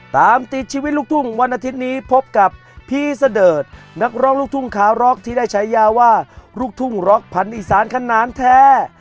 ตามติดชีวิตลูกทุ่งวันอาทิตย์นี้พบกับพี่เสดิร์ดนักร้องลูกทุ่งคาร็อกที่ได้ใช้ยาว่าลูกทุ่งร็อกพันธุอีสานขนาดแท้